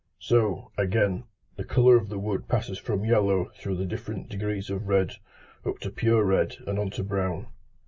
So, again, the colour of the wood passes from yellow through the different degrees of red up to pure red and on to brown.